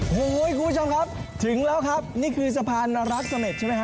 โอ้โหคุณผู้ชมครับถึงแล้วครับนี่คือสะพานรักเสม็ดใช่ไหมฮ